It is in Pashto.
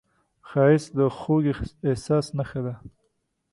ښایست د خوږ احساس نښه ده